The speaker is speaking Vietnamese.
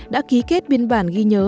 đã ký kết biên bản ghi nhớ